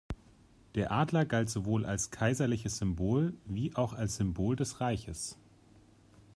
Der Adler galt sowohl als kaiserliches Symbol wie auch als Symbol des Reiches.